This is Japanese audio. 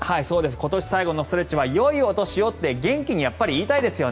今年最後のストレッチはよいお年をって元気に言いたいですよね。